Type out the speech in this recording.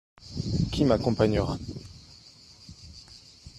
Qui m’accompagnera.